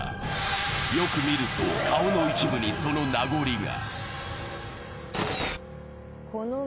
よく見ると顔の一部にその名残が。